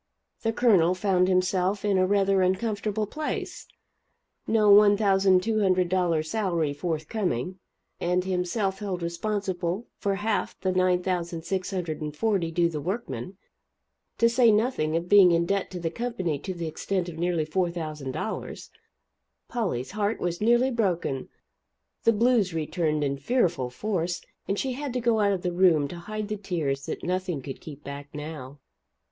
The Colonel found himself in a rather uncomfortable place no $1,200 salary forthcoming; and himself held responsible for half of the $9,640 due the workmen, to say nothing of being in debt to the company to the extent of nearly $4,000. Polly's heart was nearly broken; the "blues" returned in fearful force, and she had to go out of the room to hide the tears that nothing could keep back now.